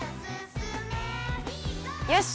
よし！